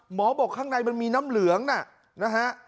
หมอบอกข้างในมันมีน้ำเหลืองนะฮะ